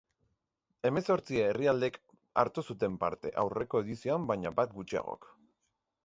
Hemezortzi herrialdek hartu zuten parte, aurreko edizioan baina bat gutxiagok.